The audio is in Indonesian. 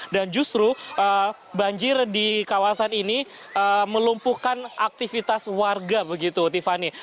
dan justru banjir di kawasan ini melumpuhkan aktivitas warga begitu tiffany